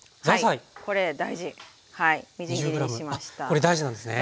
これ大事なんですね。